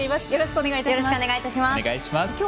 よろしくお願いします。